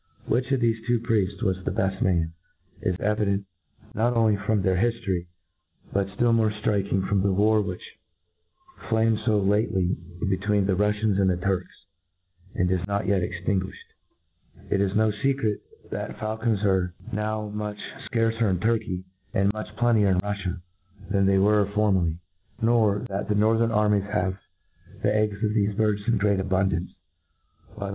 Which of thefe two prieft? was the bed man, is evident, not only from their hiftorjr, but ftill piore ftrikingly from the war which flamed fo lately between the Ruffians arid the TurTcs, and is not yet p^ptinguifhed* It i§ no fecret, that faul cons are now much fcarcer in Turkey, and much plcntier in P uiTia, than thpy were formerly ; nor, that the nprthern armies have the eggs of thefe bird3 ill great abundance, while the.